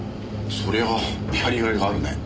そりゃあやり甲斐があるね。